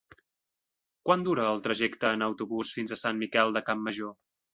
Quant dura el trajecte en autobús fins a Sant Miquel de Campmajor?